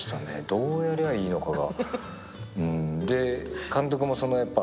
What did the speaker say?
どうやりゃあいいのかが。